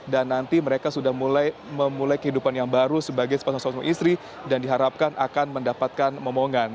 dan nanti mereka sudah mulai kehidupan yang baru sebagai seorang istri dan diharapkan akan mendapatkan memongan